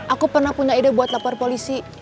aku pernah punya ide buat lapor polisi